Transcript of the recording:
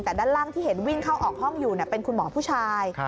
แต่ด้านล่างที่เห็นวิ่งเข้าออกห้องอยู่เป็นคุณหมอผู้ชาย